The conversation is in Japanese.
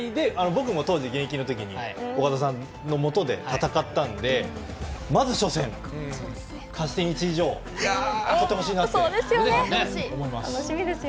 僕も現役の時岡田さんのもとで戦ったのでまず初戦、勝ち点１以上取ってほしいなと思います。